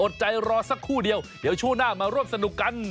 ใจรอสักครู่เดียวเดี๋ยวช่วงหน้ามาร่วมสนุกกัน